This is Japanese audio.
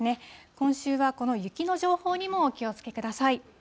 今週はこの雪の情報にもお気をつけください。